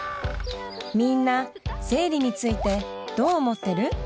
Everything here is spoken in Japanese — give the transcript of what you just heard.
みんな生理についてどう思ってる？